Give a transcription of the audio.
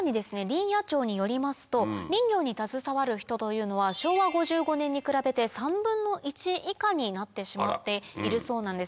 林野庁によりますと林業に携わる人というのは昭和５５年に比べて３分の１以下になってしまっているそうなんです。